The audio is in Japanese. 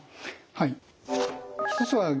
はい。